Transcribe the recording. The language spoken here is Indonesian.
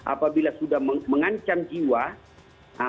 apabila sudah mengancam jiwa